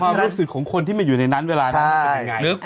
ความรู้สึกของคนที่มาอยู่ในนั้นเวลาความรู้สึกยังไง